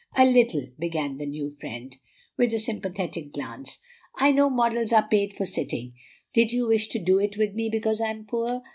"A little," began the new friend, with a sympathetic glance. "I know models are paid for sitting; did you wish to do it with me because I'm poor?"